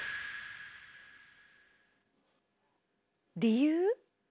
理由？